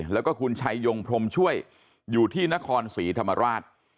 แล้วก็คุณชัยยงพรมช่วยอยู่ที่นครศรีธรรมราช